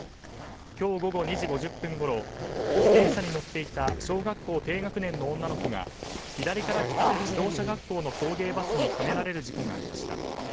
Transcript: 今日午後２時５０分ごろ自転車に乗っていた小学校低学年の女の子が左から来た自動車学校の送迎バスにはねられる事故がありました。